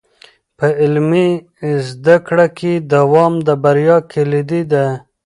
په عملي زده کړه کې دوام د بریا کلید دی.